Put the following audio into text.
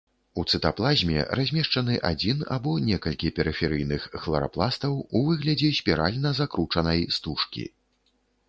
У цытаплазме размешчаны адзін або некалькі перыферыйных хларапластаў у выглядзе спіральна закручанай стужкі.